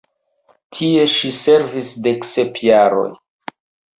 Tie ŝi servis dek sep jaroj.